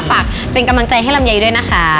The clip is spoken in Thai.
ฝากเป็นกำลังใจให้ลำไยด้วยนะคะ